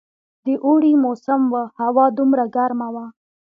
د اوړي موسم وو، هوا دومره ګرمه وه.